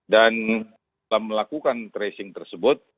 dan dalam melakukan tracing tersebut